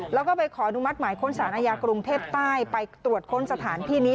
แล้วก็ไปขออนุมัติหมายค้นสารอาญากรุงเทพใต้ไปตรวจค้นสถานที่นี้